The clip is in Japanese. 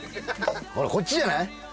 ほらこっちじゃない？